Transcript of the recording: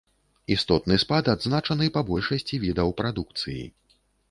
Істотны спад адзначаны па большасці відаў прадукцыі.